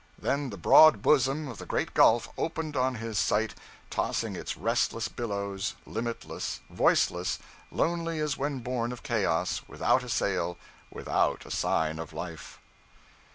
Then the broad bosom of the great Gulf opened on his sight, tossing its restless billows, limitless, voiceless, lonely as when born of chaos, without a sail, without a sign of life.'